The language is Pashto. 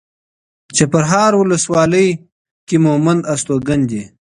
چپرهار ولسوالۍ کې مومند استوګن دي.